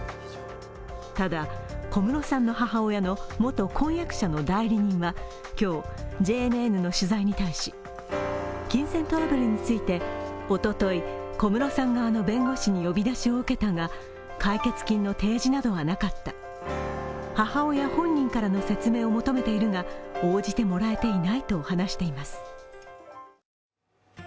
ただ、小室さんの母親の元婚約者の代理人は今日、ＪＮＮの取材に対し、金銭トラブルについておととい小室さん側の弁護士に呼び出しを受けたが解決金の提示などはなかった、母親本人からの説明を求めているが応じてもらえていないと話しています。